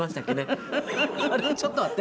ちょっと待って。